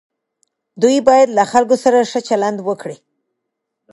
دوی باید له خلکو سره ښه چلند وکړي.